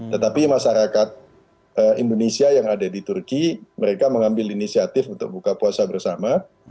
tetapi masyarakat indonesia yang ada di turki mereka mengambil inisiatif untuk buka puasa bersama